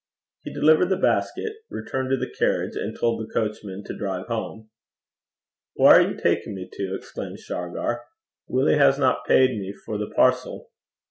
He delivered the basket, returned to the carriage, and told the coachman to drive home. 'Whaur are ye takin' me till?' exclaimed Shargar. 'Willie hasna payed me for the parcel.'